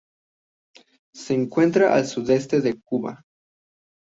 Se encuentran al sudeste de Cuba.